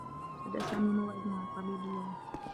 لدى سامي موعد مع الطّبيب اليوم.